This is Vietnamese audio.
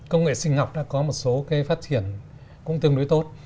công nghệ sinh học đã có một số cái phát triển cũng tương đối tốt